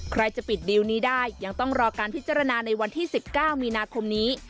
ใครจะปิดดีลนี้ได้ยังต้องรอการพิจารณาในวันที่๑๙มีนาคมนี้